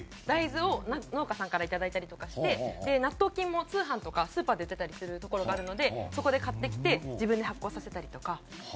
大豆を農家さんから頂いたりとかしてで納豆菌も通販とかスーパーで売ってたりするところがあるのでそこで買ってきて自分で発酵させたりとか。